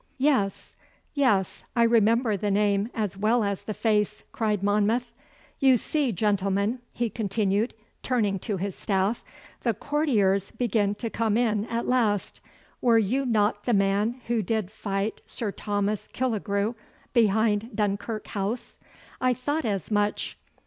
'Yes, yes. I remember the name as well as the face,' cried Monmouth. 'You see, gentlemen,' he continued, turning to his staff, 'the courtiers begin to come in at last. Were you not the man who did fight Sir Thomas Killigrew behind Dunkirk House? I thought as much.